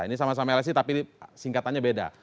ini sama sama lsi tapi singkatannya beda